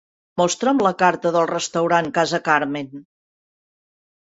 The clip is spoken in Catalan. Mostra'm la carta del restaurant Casa Carmen.